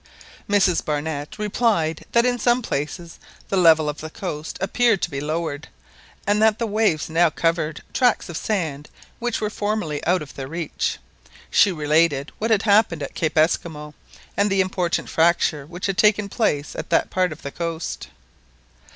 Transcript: Mrs Barnett replied that in some places the level of the coast appeared to be lowered, and that the waves now covered tracts of sand which were formerly out of their reach. She related what had happened at Cape Esquimaux, and the important fracture which had taken place at that part of the coast.